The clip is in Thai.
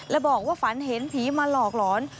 และบอกว่าฝันเห็นผีมาหลอกหลอน